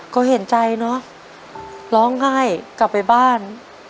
ก็เห็นใจเนอะร้องไห้กลับไปบ้าน